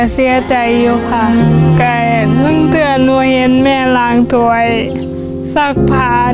เสียใจอยู่ค่ะก็เพิ่งเตือนหนูเห็นแม่ล้างถวยสักผ่าน